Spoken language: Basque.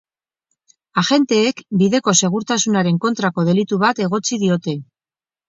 Agenteek bideko segurtasunaren kontrako delitu bat egotzi diote.